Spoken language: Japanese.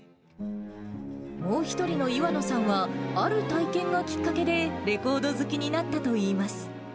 もう１人の岩野さんは、ある体験がきっかけで、レコード好きになったといいます。